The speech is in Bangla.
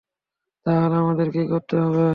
তাহলে আমাদের কি করতে হবে?